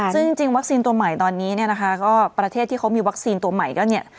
ซึ่งจริงวัคซีนตัวใหม่ตอนนี้เนี่ยนะคะก็ประเทศที่เขามีวัคซีนตัวใหม่ก็เนี่ย